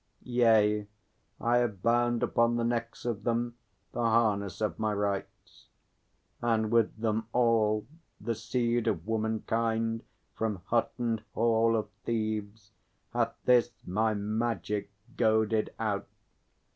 Yea, I have bound upon the necks of them The harness of my rites. And with them all The seed of womankind from hut and hall Of Thebes, hath this my magic goaded out.